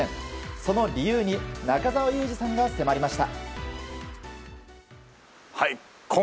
その理由に中澤佑二さんが迫りました。